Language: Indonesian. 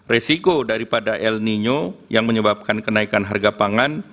resiko daripada el nino yang menyebabkan kenaikan harga pangan